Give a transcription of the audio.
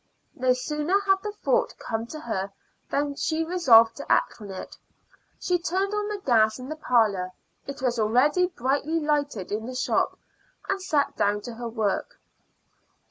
No sooner had the thought come to her than she resolved to act on it. She turned on the gas in the parlor it was already brightly lighted in the shop and sat down to her work.